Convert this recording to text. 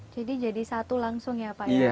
jadi jadi satu langsung ya pak ya